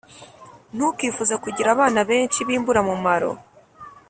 Ntukifuze kugira abana benshi b’imburamumaro,